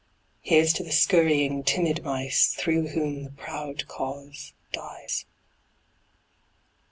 Here's to the scurrying, timid mice Through whom the proud cause dies.